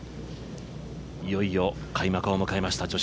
いよいよ、開幕を迎えました